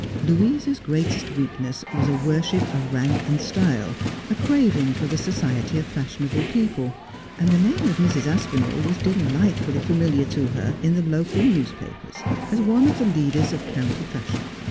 ' Louisa's greatest weakness was a worship of rank and style — a craving for the society of fashionable people ; and the name of Mrs. Aspinall was delightfully familiar to her in the local newspapers as one of the leaders of county fashion.